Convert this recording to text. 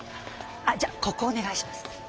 あっじゃあここお願いします。